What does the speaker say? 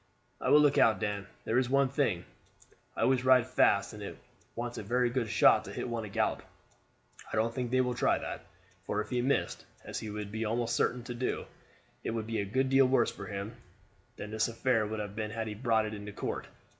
"I will look out, Dan. There is one thing, I always ride fast; and it wants a very good shot to hit one at a gallop. I don't think they will try that; for if he missed, as he would be almost sure to do, it would be a good deal worse for him than this affair would have been had he brought it into court.